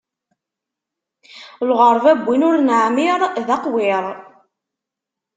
Lɣeṛba n win ur neɛmiṛ, d aqwiṛ.